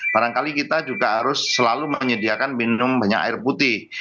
barangkali kita juga harus selalu menyediakan minum banyak air putih